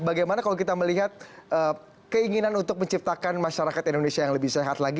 bagaimana kalau kita melihat keinginan untuk menciptakan masyarakat indonesia yang lebih sehat lagi